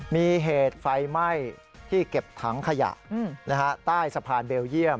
มีเหตุไฟไหม้ที่เก็บถังขยะใต้สะพานเบลเยี่ยม